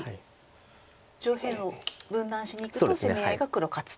上辺を分断しにいくと攻め合いが黒勝つと。